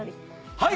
はい！